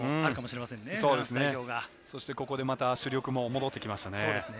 ここでまた主力も戻ってきました。